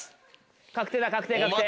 確定だ確定確定。